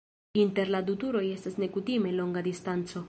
Inter la du turoj estas nekutime longa distanco.